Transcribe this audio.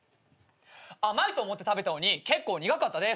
甘いと思って食べたのに結構苦かったです。